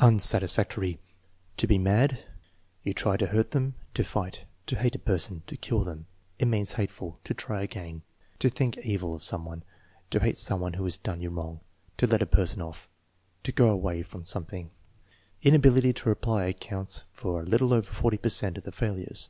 Unsatisfactory. "To be mad." "You try to hurt them." "To fight." "You hate a person." "To kill them." "It means hate ful." "To try again." "To think evil of some one." "To hate some one who has done you wrong." "To let a person off." "To go away from something." Inability to reply accounts for a little over 40 per cent of the failures.